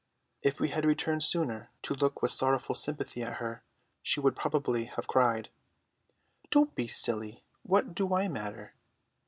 If we had returned sooner to look with sorrowful sympathy at her, she would probably have cried, "Don't be silly; what do I matter?